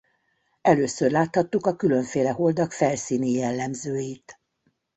Először láthattuk a különféle holdak felszíni jellemzőit.